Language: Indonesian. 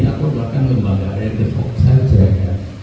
atau bahkan lembaga redox saya cek ya